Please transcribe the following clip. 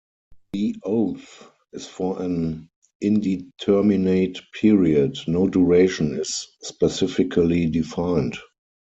The oath is for an indeterminate period; no duration is specifically defined.